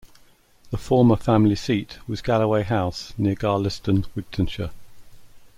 The former family seat was Galloway House, near Garlieston, Wigtownshire.